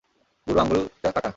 বুড়ো আঙুলটা কাটা।